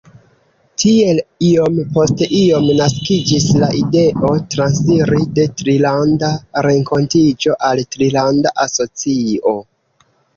Tiel, iom post iom, naskiĝis la ideo transiri de Trilanda Renkontiĝo al trilanda asocio.